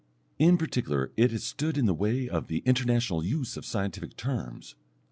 In particular it has stood in the way of the international use of scientific terms.